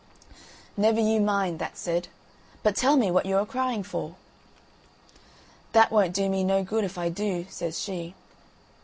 "Never you mind," that said, "but tell me what you're a crying for." "That won't do me no good if I do," says she.